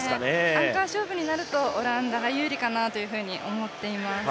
アンカー勝負になるとオランダが有利かなと思っています。